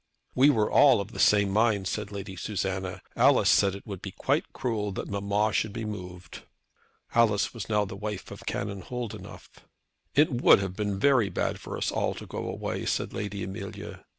"We were all of the same mind," said Lady Susanna. "Alice said it would be quite cruel that mamma should be moved." Alice was now the wife of Canon Holdenough. "It would have been very bad for us all to go away," said Lady Amelia.